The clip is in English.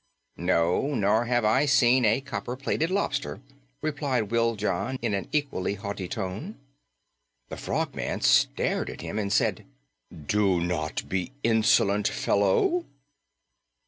"No, nor have I seen a copper plated lobster," replied Wiljon in an equally haughty tone. The Frogman stared at him and said, "Do not be insolent, fellow!"